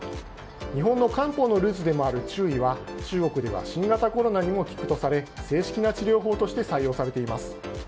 日本の漢方のルーツでもある中医は中国では新型コロナにも効くとされ正式な治療法として採用されています。